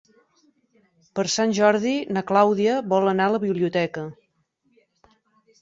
Per Sant Jordi na Clàudia vol anar a la biblioteca.